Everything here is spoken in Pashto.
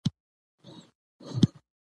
محمد عارف تنگي وردک کې ژوند کوي